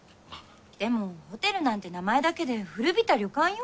でもホテルなんて名前だけで古びた旅館よ。